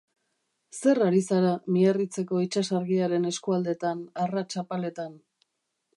Zer ari zara Miarritzeko itsasargiaren eskualdeetan arrats apaletan?